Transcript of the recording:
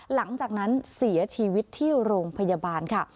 หลังจากนั้นเสียชีวิตที่โรงพยาบาลค่ะ